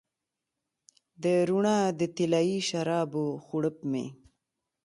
د روڼا د طلایې شرابو غوړپ مې